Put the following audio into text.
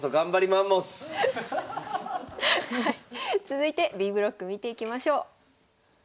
続いてＢブロック見ていきましょう。